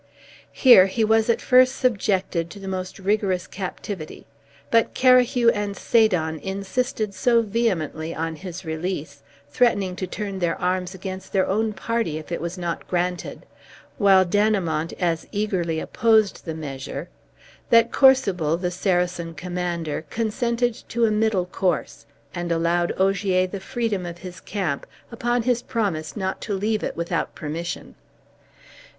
Here he was at first subjected to the most rigorous captivity, but Carahue and Sadon insisted so vehemently on his release, threatening to turn their arms against their own party if it was not granted, while Dannemont as eagerly opposed the measure, that Corsuble, the Saracen commander, consented to a middle course, and allowed Ogier the freedom of his camp, upon his promise not to leave it without permission.